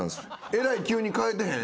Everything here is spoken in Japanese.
えらい急に変えてへん？